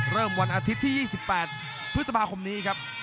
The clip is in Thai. วันอาทิตย์ที่๒๘พฤษภาคมนี้ครับ